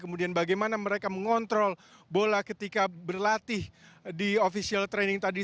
kemudian bagaimana mereka mengontrol bola ketika berlatih di official training tadi